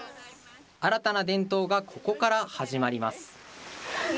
新たな伝統がここから始まります。